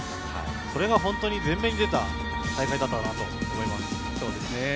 それが本当に前面に出た大会だったと思います。